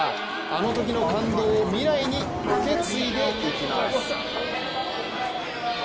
あのときの感動を未来に受け継いでいきます。